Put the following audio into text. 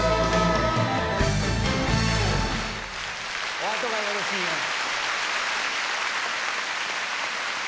おあとがよろしいようで。